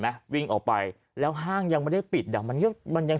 วิ่งออกไปแล้วห้างยังไม่ได้ปิดอ่ะมันยังมันยัง